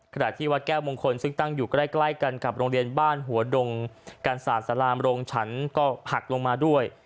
ขณะที่วัดแก้วมงคลซึ่งตั้งอยู่ใกล้กันกับโรงเรียนบ้านหัวดงกันศาสตร์สลามโรงฉันก็หักลงมาด้วย